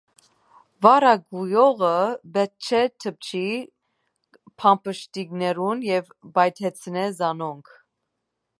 Վարակուողը պէտք չէ դպչի փամփշտիկներուն եւ պայթեցնէ զանոնք։